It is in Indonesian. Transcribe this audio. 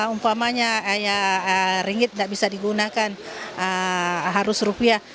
umpamanya ringgit tidak bisa digunakan harus rupiah